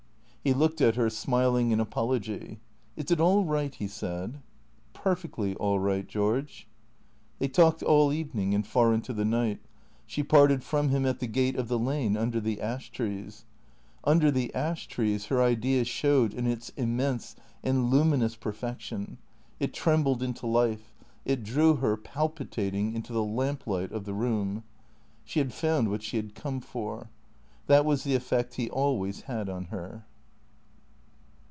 He looked at her, smiling an apology. " Is it all right ?" he said. " Perfectly all right, George." They talked all evening and far into the night. She parted from him at the gate of the lane under the ash trees. Under the ash trees her Idea showed in its immense and luminous perfec tion. It trembled into life. It drew her, palpitating, into the lamp light of the room. She had found what she liad come for. That was the effect he always had on her.